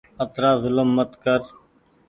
اترآ زولم مت ڪر